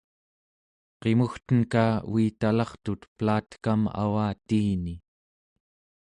qimugtenka uitalartut pelatekam avatiini